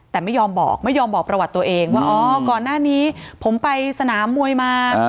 แต่ไม่ยอมบอกไม่ยอมบอกประวัติตัวเองว่าอ๋อก่อนหน้านี้ผมไปสนามมวยมา